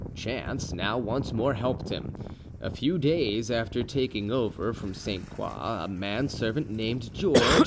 Chance now once more helped him: a few days after taking over from Sainte Croix a man servant named George, M.